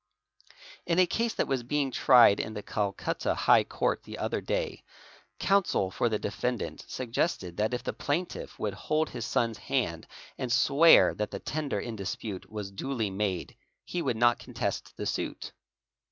'') 4 In a case that was being tried in the Calcutta High Court the other day, counsel for the defendant suggested that if the plaintiff would hold his son's hand and swear that the tender in dispute was duly made, he ~ would not contest the suit.